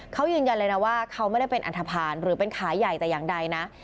เขายืนยันเลยนะว่าเขาไม่ได้เป็นอันทภาณหรือเป็นขายใหญ่แต่อย่างใดนะ